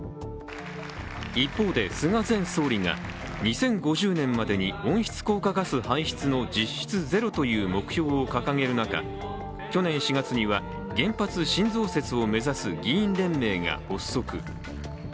一方で、菅前総理が２０５０年までに温室効果ガス排出の実質ゼロという目標を掲げる中、去年４月には原発新増設を目指す議員連盟が発足。